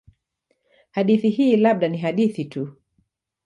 Hadithi hii labda ni hadithi tu.